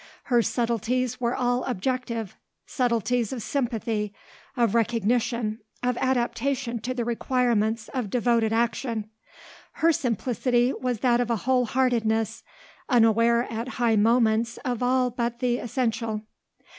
Her subtleties were all objective, subtleties of sympathy, of recognition, of adaptation to the requirements of devoted action; her simplicity was that of a whole heartedness unaware at high moments of all but the essential.